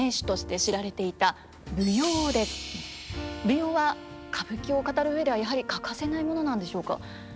舞踊は歌舞伎を語る上ではやはり欠かせないものなんでしょうか。